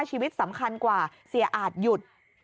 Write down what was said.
ชีวิตสำคัญกว่าเสียอาจหยุด